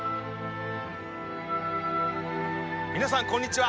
皆さんこんにちは！